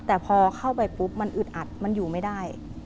แต่พอเข้าไปปุ๊บมันอึดอัดมันอยู่ไม่ได้